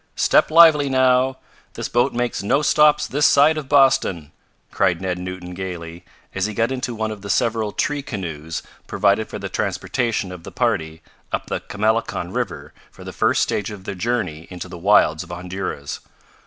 Step lively now! This boat makes no stops this side of Boston!" cried Ned Newton gaily, as he got into one of the several tree canoes provided for the transportation of the party up the Chamelecon river, for the first stage of their journey into the wilds of Honduras.